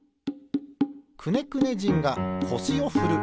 くねくね人がこしをふる。